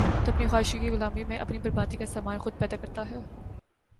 تو اپنی خواہشوں کی غلامی میں اپنی بربادی کا سامان خود پیدا کرتا ہے ۔